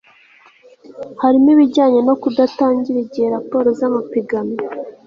harimo ibijyanye no kudatangira igihe raporo z amapiganwa